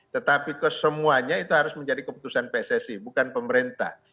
tetapi kesemuanya itu harus menjadi keputusan pssi bukan pemerintah